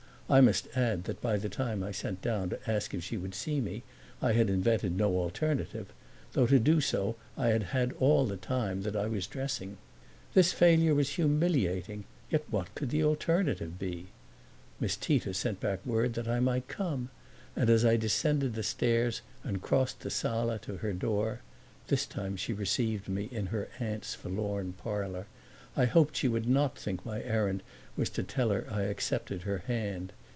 I must add that by the time I sent down to ask if she would see me I had invented no alternative, though to do so I had had all the time that I was dressing. This failure was humiliating, yet what could the alternative be? Miss Tita sent back word that I might come; and as I descended the stairs and crossed the sala to her door this time she received me in her aunt's forlorn parlor I hoped she would not think my errand was to tell her I accepted her hand.